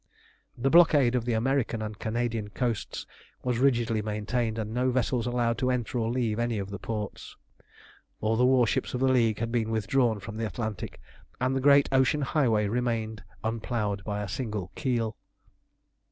The blockade of the American and Canadian coasts was rigidly maintained, and no vessels allowed to enter or leave any of the ports. All the warships of the League had been withdrawn from the Atlantic, and the great ocean highway remained unploughed by a single keel.